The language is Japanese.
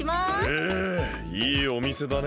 へえいいおみせだねえ。